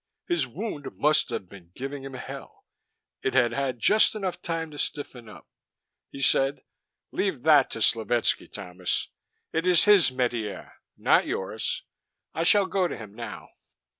His wound must have been giving him hell; it had had just enough time to stiffen up. He said, "Leave that to Slovetski, Thomas. It is his métier, not yours. I shall go to him now."